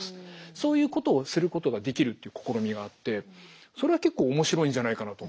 そういうことをすることができるっていう試みがあってそれは結構面白いんじゃないかなと。